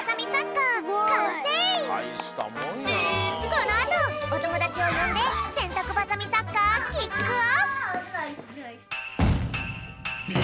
このあとおともだちをよんでせんたくバサミサッカーキックオフ！